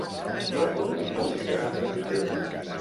Reproduir música de YouTube.